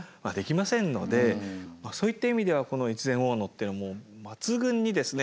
そういった意味ではこの越前大野というのはもう抜群にですね